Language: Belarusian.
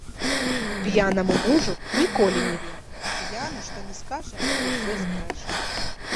П'янаму мужу ніколі не вер, п'яны што ні скажа, усё збрэша.